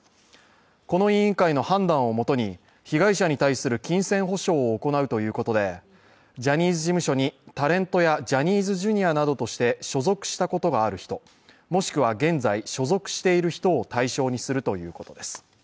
この委員会の判断をもとに、被害者に対する金銭補償を行うということでジャニーズ事務所にタレントやジャニーズＪｒ．などとして所属したことがある人、もしくは現在所属している人を対象にするということです。